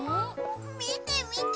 みてみて！